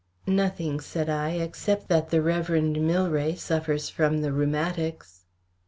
"Nothing," said I, "except that the Rev. Milray suffers from the rheumatics."